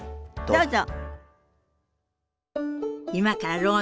どうぞ。